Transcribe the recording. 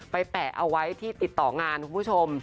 แปะเอาไว้ที่ติดต่องานคุณผู้ชม